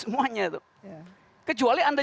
semuanya kecuali anda